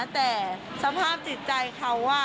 แต่สภาพจิตใจเขา